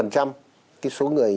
cái số người